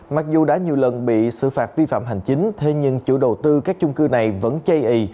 mặc dù đã nhiều lần bị xử phạt vi phạm hành chính thế nhưng chủ đầu tư các chung cư này vẫn chây ý